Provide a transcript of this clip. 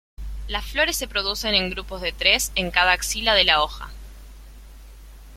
Las flores se producen en grupos de tres en cada axila de la hoja.